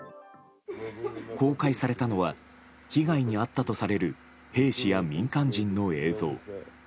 公開されたのは被害に遭ったとされる兵士や民間人の映像。